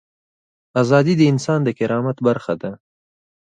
ازادي د انسان د کرامت برخه ده.